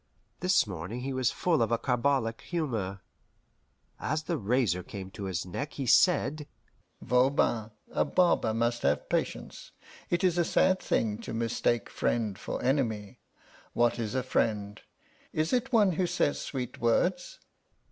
This morning he was full of a carbolic humour. As the razor came to his neck he said: "Voban, a barber must have patience. It is a sad thing to mistake friend for enemy. What is a friend? Is it one who says sweet words?"